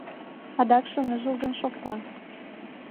Адакше ныжылгын шокта.